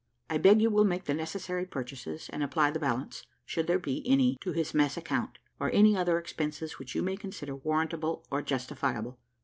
I beg you will make the necessary purchases, and apply the balance, should there be any, to his mess account, or any other expenses which you may consider warrantable or justifiable.